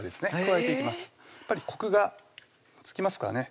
やっぱりコクがつきますからね